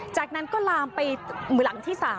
จากนั้นก็ลามไปหลังที่๓